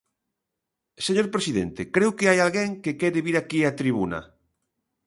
Señor presidente, creo que hai alguén que quere vir aquí á tribuna.